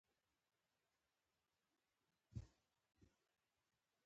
جمله اورېدونکي ته پیغام رسوي.